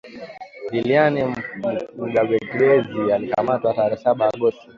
Liliane Mugabekazi alikamatwa tarehe saba Agosti